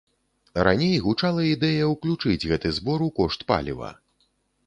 Раней гучала ідэя ўключыць гэты збор у кошт паліва.